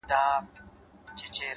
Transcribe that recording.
انسان د خپل کردار استازی دی’